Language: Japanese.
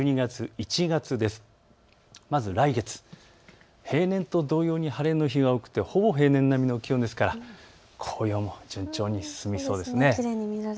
まず来月、平年と同様に晴れの日が多くてほぼ平年並みの気温ですから紅葉も順調に進みそうですね。